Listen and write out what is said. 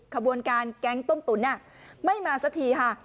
ขบวนการแก๊งต้มตุ๋นไม่มาสักทีค่ะ